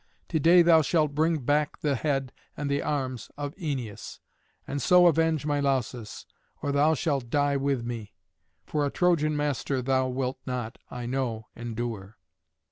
To day thou shalt bring back the head and the arms of Æneas, and so avenge my Lausus; or thou shalt die with me. For a Trojan master thou wilt not, I know, endure."